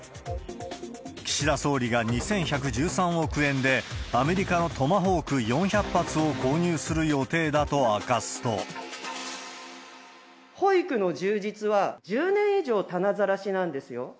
岸田総理が２１１３億円でアメリカのトマホーク４００発を購入す保育の充実は、１０年以上たなざらしなんですよ。